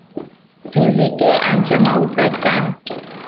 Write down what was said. chusiyke ancha mawka kan